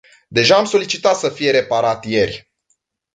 Deja am solicitat să fie reparat ieri.